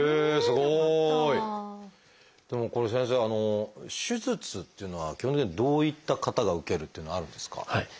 でもこれ先生手術っていうのは基本的にどういった方が受けるっていうのはあるんですか？